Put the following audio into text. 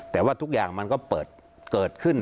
แต่ว่าทุกอย่างมันก็เกิดขึ้น